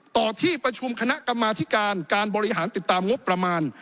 ต่อที่ประชุมคณะกรรมาธิการการบริหารติดตามงบประมาณ